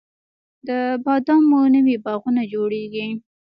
د بادامو نوي باغونه جوړیږي